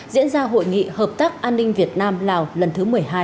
diễn ra hội nghị hợp tác an ninh việt nam lào lần thứ một mươi hai